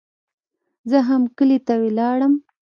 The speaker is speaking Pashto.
زه هم کلي ته ولاړم.